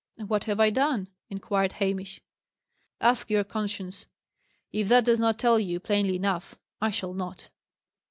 "What have I done?" inquired Hamish. "Ask your conscience. If that does not tell you plainly enough, I shall not."